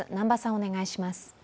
お願いします。